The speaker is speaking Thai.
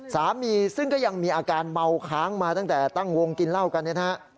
สามีซึ่งก็ยังมีอาการเมาค้างมาตั้งแต่ตั้งวงกินเหล้ากันเนี่ยนะฮะ